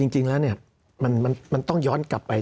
จริงแล้วมันต้องย้อนกลับไป